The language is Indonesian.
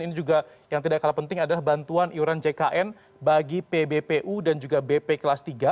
ini juga yang tidak kalah penting adalah bantuan iuran jkn bagi pbpu dan juga bp kelas tiga